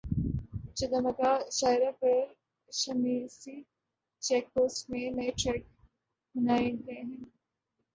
Jeddah Makkah شاہراہ پر Shumaisi check post میں نئے ٹریک بنائے گئے ہیں